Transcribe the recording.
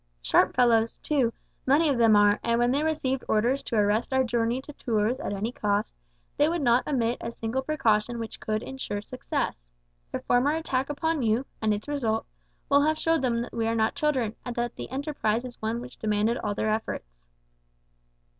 Sharp fellows, too, many of them are, and when they received orders to arrest our journey to Tours at any cost, they would not omit a single precaution which could ensure success. Their former attack upon you, and its result, will have showed them that we are not children, and that the enterprise was one which demanded all their efforts."